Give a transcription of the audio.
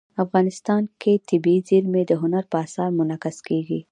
افغانستان کې طبیعي زیرمې د هنر په اثار کې منعکس کېږي.